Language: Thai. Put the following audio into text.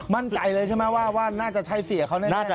มั่นใจเลยใช่ไหมว่าน่าจะใช่เสียเขาแน่